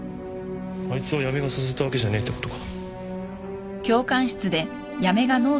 あいつは八女が誘ったわけじゃねえってことか。